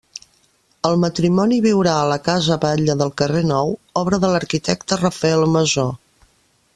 El matrimoni viurà a la Casa Batlle del Carrer Nou, obra de l’arquitecte Rafael Masó.